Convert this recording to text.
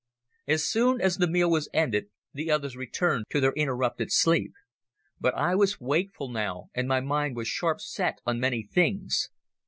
As soon as the meal was ended the others returned to their interrupted sleep. But I was wakeful now and my mind was sharp set on many things.